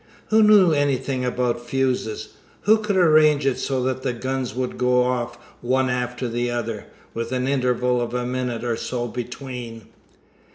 Who knew anything about fuses? Who could arrange it so the guns would go off one after the other, with an interval of a minute or so between?